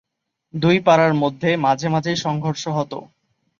দুই পাড়ার মধ্যে মাঝে মাঝেই সংঘর্ষ হত।